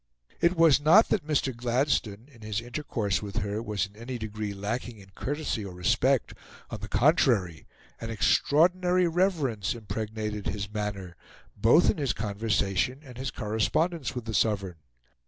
It was not that Mr. Gladstone, in his intercourse with her, was in any degree lacking in courtesy or respect. On the contrary, an extraordinary reverence impregnated his manner, both in his conversation and his correspondence with the Sovereign.